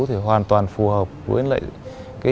thì hoàn toàn phù hợp với